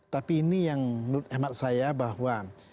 tapi ini yang menurut hemat saya bahwa